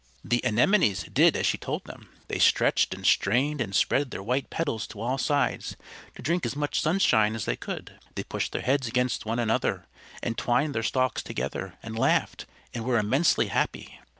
The Anemones did as she told them. They stretched and strained, and spread their white petals to all sides, to drink as much sunshine as they could. They pushed their heads against one another, and twined their stalks together, and laughed, and were immensely happy.